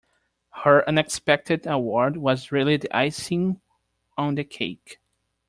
Her unexpected award was really the icing on the cake